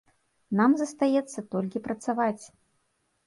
Нам застаецца толькі працаваць.